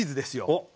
おっ！